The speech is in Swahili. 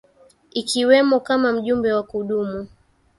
a ikiwemo kama mjumbe wa kudumu